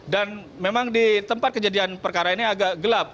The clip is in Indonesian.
dan memang di tempat kejadian perkara ini agak gelap